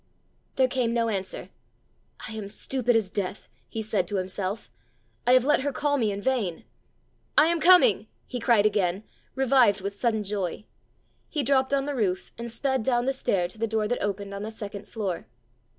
There came no answer. "I am stupid as death!" he said to himself: "I have let her call me in vain!" "I am coming!" he cried again, revived with sudden joy. He dropped on the roof, and sped down the stair to the door that opened on the second floor.